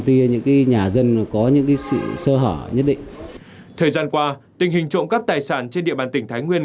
thời gian qua tình hình trộm cắp tài sản trên địa bàn tỉnh thái nguyên